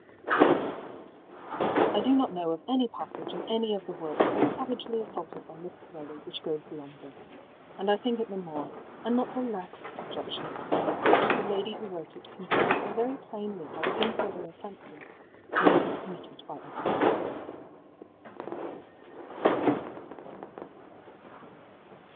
í I do not know of any passage in any of the works so savagely assaulted by Miss Corelli which goes beyond this; and I think it the more, and not the less, objectionable, because the lady who wrote it can see so very plainly how sinful her offence is when it is committed by other people.